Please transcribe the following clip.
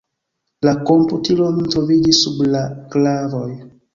La komputilo mem troviĝis sub la klavoj.